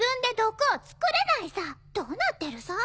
どうなってるさ？